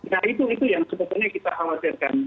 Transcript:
nah itu yang sebetulnya kita khawatirkan